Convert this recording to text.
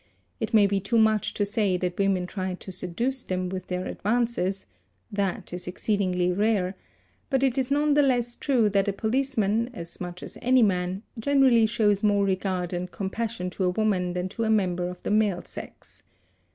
It may be too much to say that women try to seduce them with their advances—that is exceedingly rare—but it is none the less true that a policeman, as much as any man, generally shows j more regard and compassion to a woman than to a member of the male ; sex.